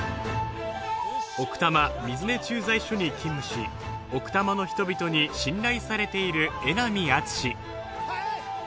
奥多摩水根駐在所に勤務し奥多摩の人々に信頼されている江波敦史。